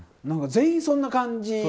全員、そんな感じ。